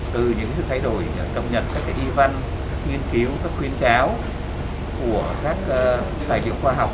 từ những sự thay đổi trong nhật các y văn nghiên cứu các khuyến cáo của các tài liệu khoa học